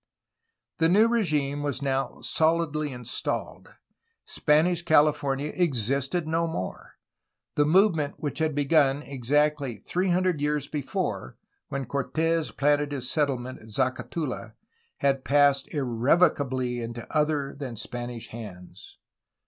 The new regime was now solidly installed. Spanish Cali fornia existed no more. The movement which had begun exactly three hundred years before, when Cortes planted his settlement at Zacatula, had passed irrevocably into other than Spanish hands.